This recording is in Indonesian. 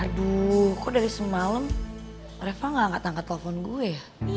aduh kok dari semalem reva gak tangka tangka telpon gue ya